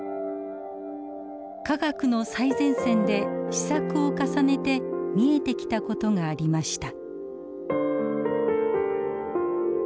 科学の最前線で思索を重ねて見えてきた事がありました。